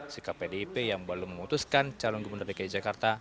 sikap pdip yang belum memutuskan calon gubernur dki jakarta